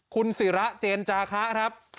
คุณศิราเจญจาค้าครับ